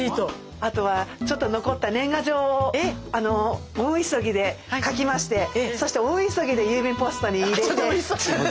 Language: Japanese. あとはちょっと残った年賀状を大急ぎで書きましてそして大急ぎで郵便ポストに入れて。